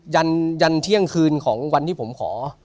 ยันเที่ยงคืนของวันที่ผมขอ